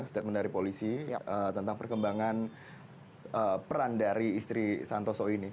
statement dari polisi tentang perkembangan peran dari istri santoso ini